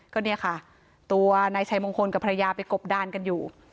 ก็เนี่ยค่ะตัวนายชัยมงคลกับภรรยาไปกบดานกันอยู่